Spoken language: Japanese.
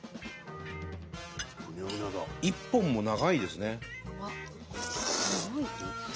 １本も長いですね。